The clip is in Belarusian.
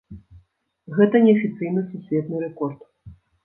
Гэта неафіцыйны сусветны рэкорд.